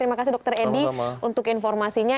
terima kasih dr eddy untuk informasinya